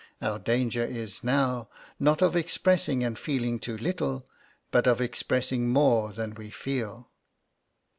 Our danger is now, not of expressing and feeling too little, but of expressing more than we feel.